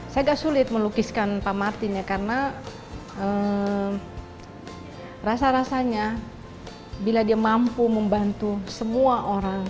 saya agak sulit melukiskan pak martin ya karena rasa rasanya bila dia mampu membantu semua orang